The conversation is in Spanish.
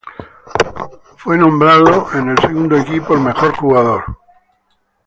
Él fue nombrado en el Segundo Equipo All-Conference y el Jugador más mejorado.